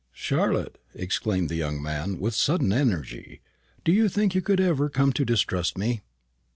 Charlotte," exclaimed the young man, with sudden energy, "do you think you could ever come to distrust me?"